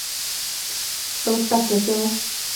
都得嘅啫